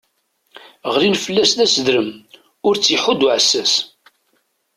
Ɣlin fell-as d aseddrem, ur tt-iḥudd uɛessas-is.